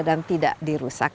dan tidak dirusak